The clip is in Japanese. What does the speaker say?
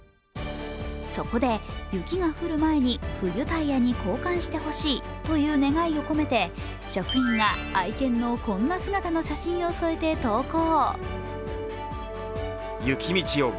そこで雪が降る前に冬タイヤに交換してほしいという願いを込めて職員が愛犬のこんな姿の写真を添えて投稿。